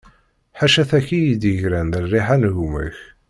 Ḥaca taki i yi-d-yegran d rriḥa n gma-k.